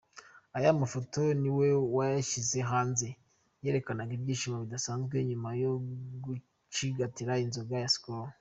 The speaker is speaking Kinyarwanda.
Aya mafoto niwe wayashyize hanze yerekanaga ibyishimo bidasanzwe nyuma yo gucigatira inzoga ya Skol.